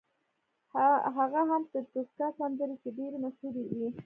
هغه هم د توسکا سندرې چې ډېرې مشهورې دي.